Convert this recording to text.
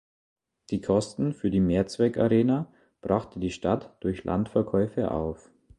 Die Kosten für die Mehrzweckarena brachte die Stadt durch Landverkäufe auf.